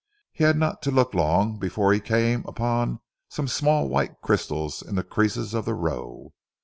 He had not to look long before he came upon some small white crystals in the creases of the roe.